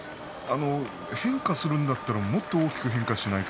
変化するんだったらもっと大きく変化しないと